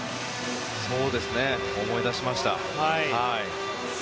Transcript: そうですね思い出しました。